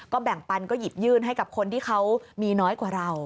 แบ่งปันก็หยิบยื่นให้กับคนที่เขามีน้อยกว่าเรา